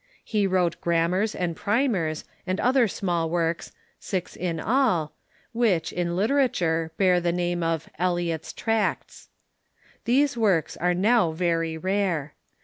He wrote grammars and primers and other small works, six in all, Avhich, in litera ture, bear the name of "Eliot's Tracts." These works are now very rare.